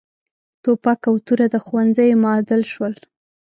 ټوپک او توره د ښوونځیو معادل شول.